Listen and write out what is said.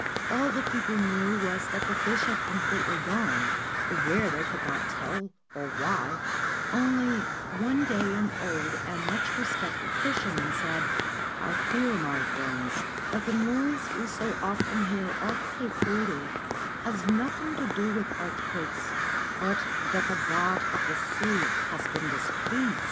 All the people knew was that the fish had completely gone — where they could not tell, or why, until one day an old and much respected fisherman said :' I fear, my friends, that the noise we so often hear off Cape Fudo has nothing to do with earthquakes, but that the God of the Sea has been displeased.'